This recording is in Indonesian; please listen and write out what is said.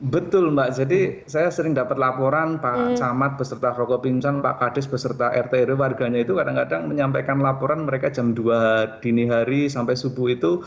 betul mbak jadi saya sering dapat laporan pak camat beserta rokok pingsan pak kades beserta rt rw warganya itu kadang kadang menyampaikan laporan mereka jam dua dini hari sampai subuh itu